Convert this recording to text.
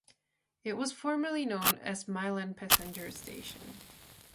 It was formerly known as Mile End Passenger station.